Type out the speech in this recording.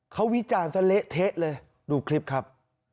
เขาวิจารณ์ซะเละเทะเลยดูคลิปครับ